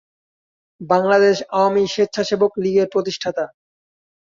বাংলাদেশ আওয়ামী স্বেচ্ছাসেবক লীগের প্রতিষ্ঠাতা।